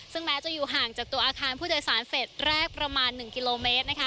ซึ่งแม้จะอยู่ห่างจากตัวอาคารผู้โดยสารเฟสแรกประมาณ๑กิโลเมตรนะคะ